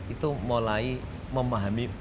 itu mulai memahami